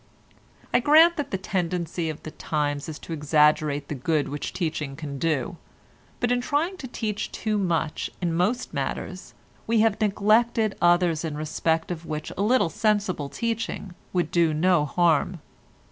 I grant that the tendency of the times is to exaggerate the good which teaching can do, but in trying to teach too much, in most matters, we have neglected others in respect of which a little sensible teaching would do no harm.